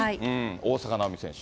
大坂なおみ選手。